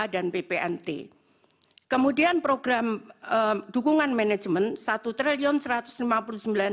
dan kemudian program dukungan manajemen rp satu satu ratus lima puluh sembilan delapan ratus delapan puluh enam enam ratus sembilan puluh tujuh